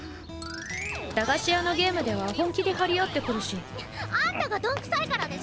駄菓子屋のゲームでは本気で張り合ってくるしアンタが鈍臭いからでしょ！